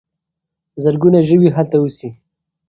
زرګونه ژوي هلته اوسي.